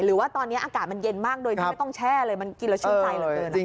หรือว่าตอนนี้อากาศมันเย็นมากโดยที่ไม่ต้องแช่เลยมันกินแล้วชื่นใจเหลือเกิน